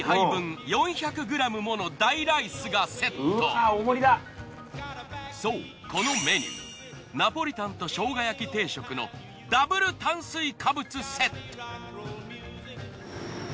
なんとそうこのメニューナポリタンと生姜焼き定食のダブル炭水化物セット。